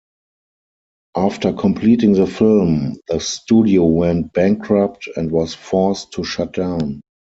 After completing the film, the studio went bankrupt and was forced to shut down.